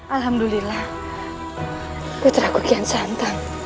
alhamdulillah putraku kian santan